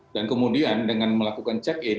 dan kemudian dengan melakukan check in